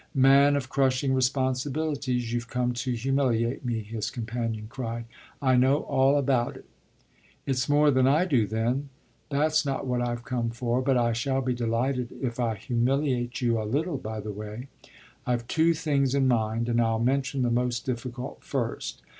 "Man of crushing responsibilities, you've come to humiliate me!" his companion cried. "I know all about it." "It's more than I do then. That's not what I've come for, but I shall be delighted if I humiliate you a little by the way. I've two things in mind, and I'll mention the most difficult first.